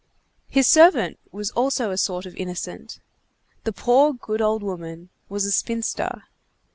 His servant was also a sort of innocent. The poor good old woman was a spinster.